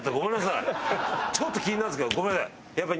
ちょっと気になるんですけどごめんなさい。